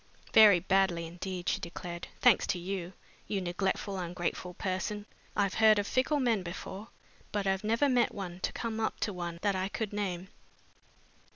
"Very badly indeed," she declared, "thanks to you, you neglectful, ungrateful person! I've heard of fickle men before but I've never met one to come up to one that I could name."